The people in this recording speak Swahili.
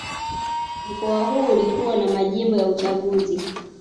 Mkoa huu ulikuwa na majimbo ya uchaguzi